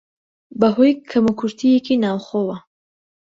بەهۆی کەموکورتییەکی ناوخۆوە